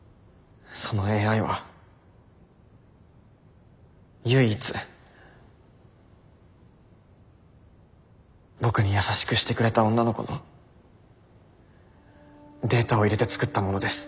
そのＡＩは唯一僕に優しくしてくれた女の子のデータを入れて作ったものです。